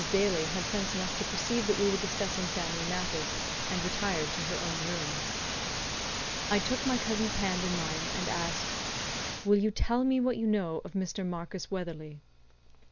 Daly had sense enough to perceive that we were discussing family matters, and retired to her own room. I took my cousin's hand in mine, and asked: "Will you tell me what you know of Mr. Marcus Weatherley?"